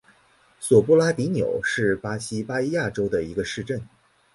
索布拉迪纽是巴西巴伊亚州的一个市镇。